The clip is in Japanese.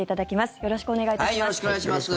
よろしくお願いします。